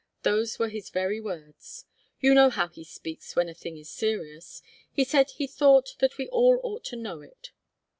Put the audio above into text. Those were his very words. You know how he speaks when a thing is serious. He said he thought that we all ought to know it."